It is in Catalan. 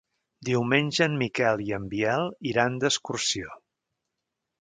Diumenge en Miquel i en Biel iran d'excursió.